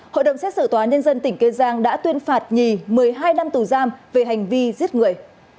hội đồng xét xử tòa nhân dân tỉnh kiên giang đã tuyên phạt nhì một mươi hai năm tù giam về hành vi giết người